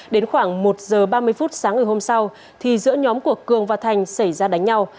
đến khoảng một giờ ba mươi phút sáng ngày hôm sau thì giữa nhóm của cường và thành xảy ra đánh nhau